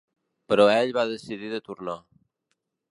Però ell va decidir de tornar.